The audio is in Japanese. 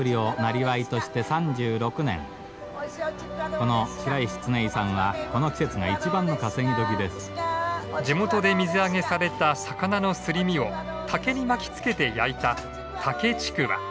この白石ツネイさんは地元で水揚げされた魚のすり身を竹に巻き付けて焼いた竹ちくわ。